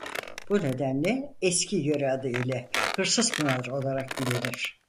Bu nedenle eski yöre adı ile Hırsızpınar olarak bilinir.